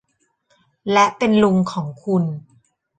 และเป็นลุงของคุณ